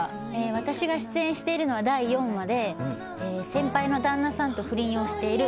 私が出演しているのは第４話で先輩の旦那さんと不倫をしている